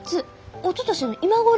おととしの今頃！